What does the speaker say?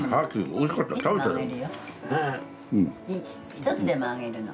１つでも揚げるの。